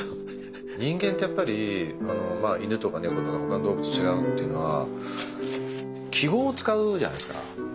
人間ってやっぱりまあ犬とか猫とかほかの動物と違うっていうのは記号を使うじゃないですかすっごい。